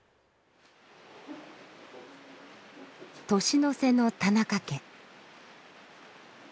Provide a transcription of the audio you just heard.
年の瀬の田中家。